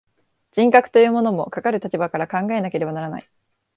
人格というものも、かかる立場から考えられねばならない。